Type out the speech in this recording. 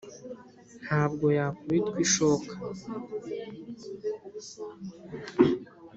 ntabwo yakubitwa ishoka